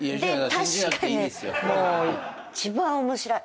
確かに一番面白い。